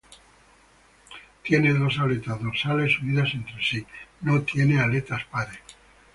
Tiene dos aletas dorsales unidas entre sí, no tiene aletas pares.